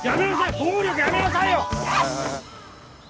暴力やめなさいよ！